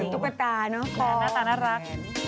หวานน่ารัก